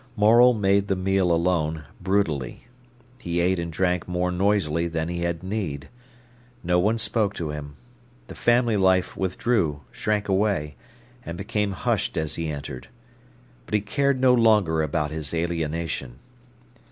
Morel made the meal alone, brutally. He ate and drank more noisily than he had need. No one spoke to him. The family life withdrew, shrank away, and became hushed as he entered. But he cared no longer about his alienation.